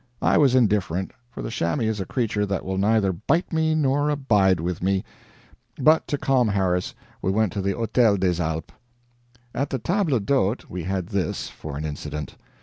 I was indifferent, for the chamois is a creature that will neither bite me nor abide with me; but to calm Harris, we went to the Hôtel des Alpes. At the table d'hôte, we had this, for an incident.